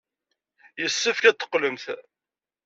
Yessefk ad teqqlemt.